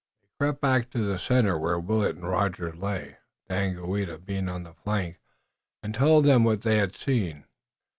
They crept back to the center, where Willet and Rogers lay, Daganoweda being on the flank, and told them what they had seen.